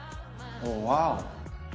ワオ！